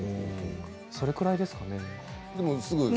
それぐらいですかね。